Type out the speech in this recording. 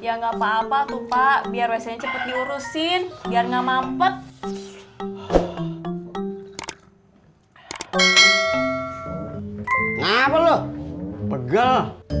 ya nggak apa apa tuh pak biar rasanya cepet diurusin biar nggak mampet